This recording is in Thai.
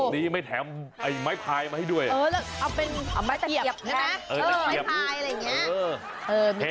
ดีไหมแถมไอ้ไม้พลายมาให้ด้วยเออและเอาเป็นไม้เตะเกียบมา